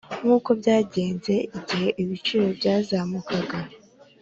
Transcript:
Nk’ uko byagenze igihe ibiciro byazamukaga